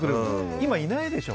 今、いないでしょ。